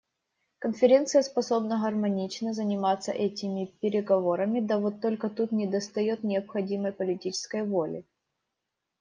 Конференция способна гармонично заниматься этими переговорами, да вот только тут недостает необходимой политической воли.